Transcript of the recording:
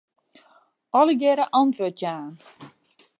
Allegearre antwurd jaan.